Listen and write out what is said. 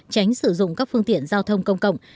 tránh sử dụng các phương tiện giao thông công cộng